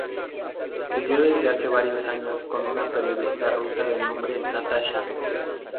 Vivió desde hace varios años con una periodista rusa de nombre Natasha.